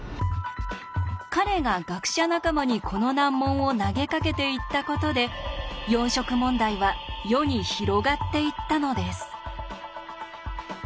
彼が学者仲間にこの難問を投げかけていったことで四色問題は世に広がっていったのです。